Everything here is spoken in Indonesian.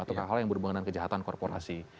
atau hal hal yang berhubungan dengan kejahatan korporasi